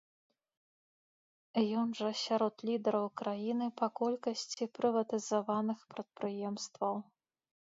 Ён жа сярод лідараў краіны па колькасці прыватызаваных прадпрыемстваў.